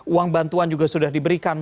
uang bantuan juga sudah diberikan